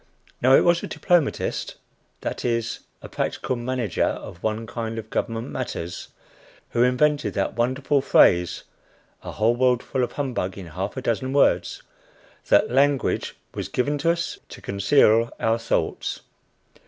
Now it was a diplomatist that is, a practical manager of one kind of government matters who invented that wonderful phrase a whole world full of humbug in half a dozen words that "Language was given to us to conceal our thoughts."